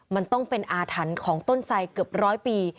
มันต้องเป็นอาถรรพ์ของต้นไสเกือบร้อยปี